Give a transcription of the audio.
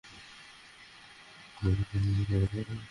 এ জন্য দুই শক্তিস্তরের মাঝখানের কোনো পথ এদের পাড়ি দিতে হয় না।